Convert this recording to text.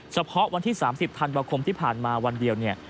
เฉพาะวันที่๓๐ธันวาคมที่ผ่านมาวันเดียวเนี่ย